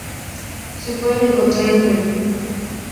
Se pueden encontrar en Perú.